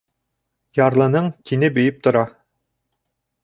Ярлының тине бейеп тора.